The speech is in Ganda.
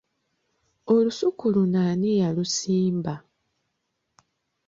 Olusuku luno ani ylusimba?